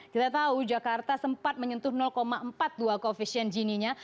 kita tahu jakarta sempat menyentuh empat puluh dua koefisien gininya